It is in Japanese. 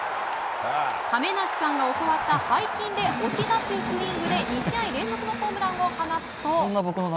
亀梨さんが教わった背筋で押し出すスイングで２試合連続のホームランを放つと。